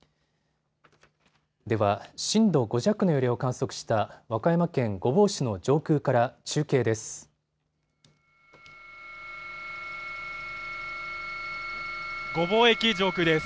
では、震度５弱の揺れを観測した和歌山県御坊市の上空から中継です。